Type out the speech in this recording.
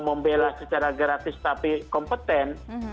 membela secara gratis tapi kompeten